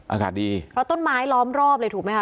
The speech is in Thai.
อากาศดีเพราะต้นไม้ล้อมรอบเลยถูกไหมคะ